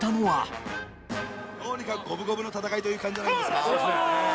どうにか五分五分の戦いという感じじゃないですか？